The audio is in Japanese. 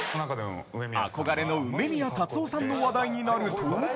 憧れの梅宮辰夫さんの話題になるとしてない！